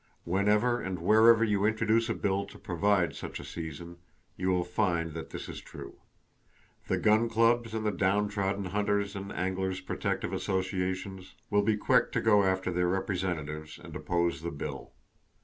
Whenever and wherever you introduce a bill to provide such a season, you will find that this is true. The gun clubs and the Downtrodden Hunters' and Anglers' Protective Associations will be quick to go after their representatives, and oppose the bill.